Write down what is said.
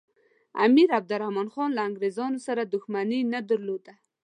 امیر عبدالرحمن خان له انګریزانو سره دښمني نه درلوده.